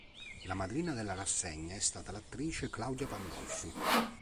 La madrina della rassegna è stata l'attrice Claudia Pandolfi.